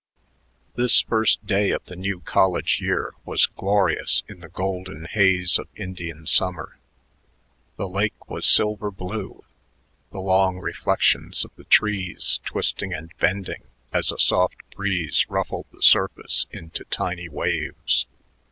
This first day of the new college year was glorious in the golden haze of Indian summer. The lake was silver blue, the long reflections of the trees twisting and bending as a soft breeze ruffled the surface into tiny waves.